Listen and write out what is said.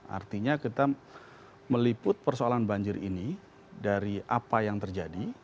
artinya kita meliput persoalan banjir ini dari apa yang terjadi